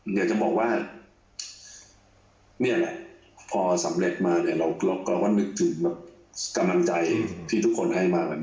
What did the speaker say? อยากจะบอกว่าพอสำเร็จมาเราก็นึกถึงกำลังใจที่ทุกคนให้มา